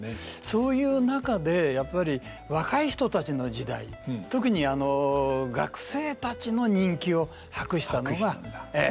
そういう中でやっぱり若い人たちの時代特に学生たちの人気を博したのがええ